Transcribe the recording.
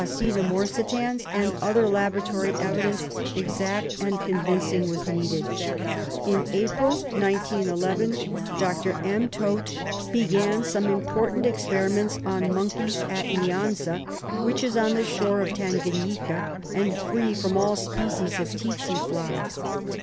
morsitans, and only laboratory evidence, exact and convincing, was needed. In April, 1911, Dr. M. Taute began some important ex periments on monkeys at Niansa, which is on the shore of Tanganyika, and free from all species of tsetse fly.